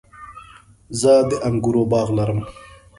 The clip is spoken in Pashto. زه د انګورو باغ لرم